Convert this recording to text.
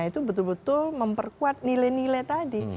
itu betul betul memperkuat nilai nilai tadi